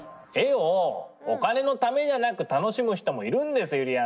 絵をお金のためじゃなく楽しむ人もいるんですよ。